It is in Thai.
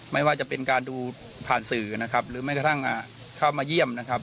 ไม่ว่าจะเป็นการดูผ่านสื่อนะครับหรือแม้กระทั่งเข้ามาเยี่ยมนะครับ